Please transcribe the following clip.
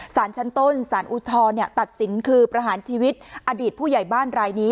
สารชั้นต้นสารอุทธรณ์ตัดสินคือประหารชีวิตอดีตผู้ใหญ่บ้านรายนี้